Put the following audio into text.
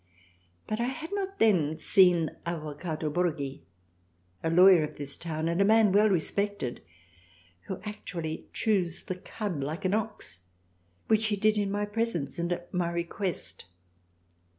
But I had not then seen Avvocato Borghi a Lawyer of this Town and a man well respected who actually chews the cud like an Ox which he did in my presence and at my request.